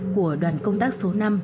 của đoàn công tác số năm